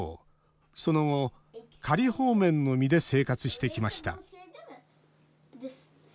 その後、仮放免の身で生活してきました。